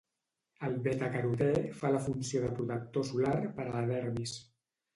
El betacarotè fa la funció de protector solar per a la dermis.